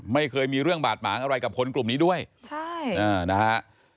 ไม่เคยมีเรื่องบาดหมางอะไรกับคนกลุ่มนี้ด้วยใช่อ่านะฮะ